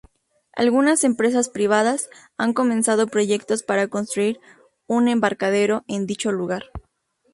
Algunas empresas privadas han comenzado proyectos para construir un embarcadero en dicho lugar.